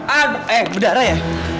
aduh eh bedara ya